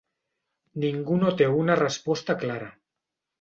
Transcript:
Ningú no té una resposta clara.